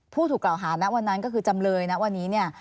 ผู้ถูกกล่าวหานะวันนั้นก็คือจำเลยนะวันนี้เนี่ย